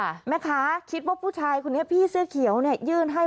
แม่ค้าคิดว่าผู้ชายคนนี้พี่เสื้อเขียวเนี่ยยื่นให้